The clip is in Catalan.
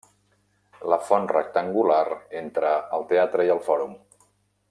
La font rectangular entre el teatre i el fòrum.